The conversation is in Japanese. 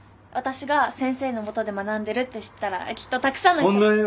私が先生のもとで学んでるって知ったらきっとたくさんの人が